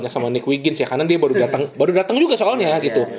sama nick wiggins ya karena dia baru dateng baru dateng juga soalnya gitu